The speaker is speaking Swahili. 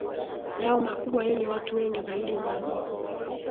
yao makubwa yenye watu wengi zaidi Majiji